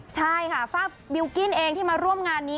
ใช่ค่ะฝากบิลกิ้นเองที่มาร่วมงานนี้